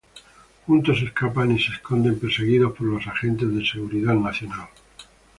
Juntos escapan y se esconden, perseguidos por los agentes de Seguridad Nacional.